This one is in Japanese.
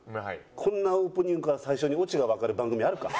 こんなオープニングから最初にオチがわかる番組あるか？